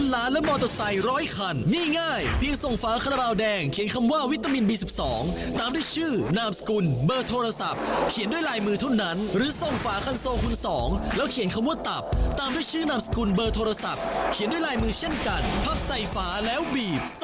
และไปติดตามรายการตอนข่าวกันต่อครับ